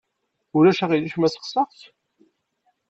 Ulac aɣilif ma sseqsaɣ-k?